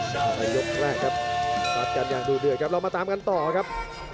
ต่อไปยกแรกครับรับกันอย่างดูด้วยครับเรามาตามกันต่อครับ